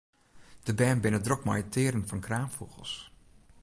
De bern binne drok mei it tearen fan kraanfûgels.